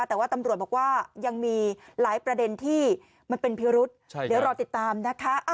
แต่ว่าตำรวจบอกว่ายังมีหลายประเด็นที่มันเป็นพิรุษเดี๋ยวรอติดตามนะคะ